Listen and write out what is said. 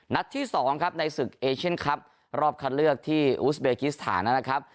ที่๒ครับในศึกเอเชียนครับรอบคัดเลือกที่อูสเบกิสถานนะครับ